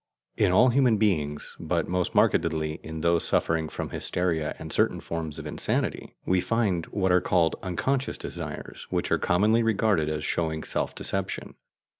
In all human beings, but most markedly in those suffering from hysteria and certain forms of insanity, we find what are called "unconscious" desires, which are commonly regarded as showing self deception.